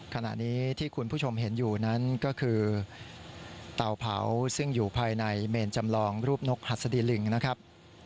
ขณะนี้ที่คุณผู้ชมเห็นอยู่นั้นก็คือเตาเผาซึ่งอยู่ภายในเมนจำลองรูปนกหัสดีลิงนะครับ